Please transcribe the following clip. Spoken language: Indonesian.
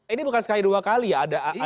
ini bukan sekali dua kali ya ada apaan